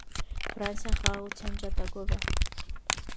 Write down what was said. Ֆրանսիան խաղաղության ջատագով է։